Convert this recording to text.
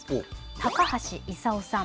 高橋功さん。